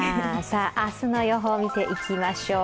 明日の予報を見ていきましょう。